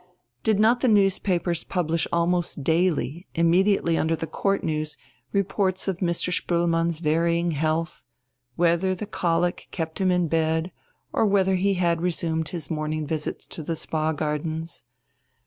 Did not the newspapers publish almost daily, immediately under the Court news, reports of Mr. Spoelmann's varying health whether the colic kept him in bed or whether he had resumed his morning visits to the Spa gardens?